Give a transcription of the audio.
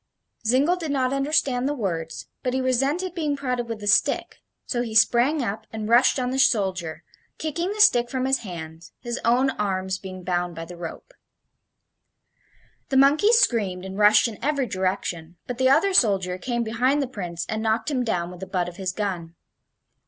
Zingle did not understand the words, but he resented being prodded with the stick, so he sprang up and rushed on the soldier, kicking the stick from his hands, his own arms being bound by the rope. The monkeys screamed and rushed in every direction, but the other soldier came behind the Prince and knocked him down with the butt of his gun.